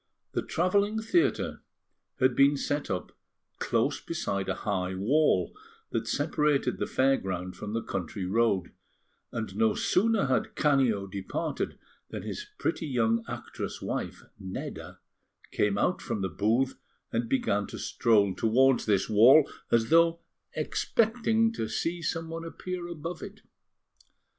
The travelling theatre had been set up close beside a high wall that separated the fair ground from the country road; and no sooner had Canio departed, than his pretty young actress wife, Nedda, came out from the booth, and began to stroll towards this wall, as though expecting to see someone appear above it.